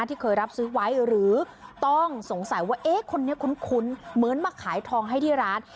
ที่เคยรับซื้อไว้หรือต้องสงสัยว่าเอ๊ะคนนี้คุ้นเหมือนมาขายทองให้ที่ร้าน